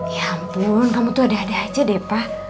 ya ampun kamu tuh ada ada aja deh pak